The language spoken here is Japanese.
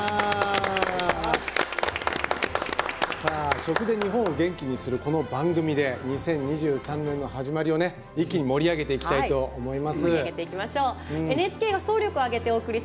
食で日本を元気にするこの番組で２０２３年の始まりを一気に盛り上げていきたいと思います。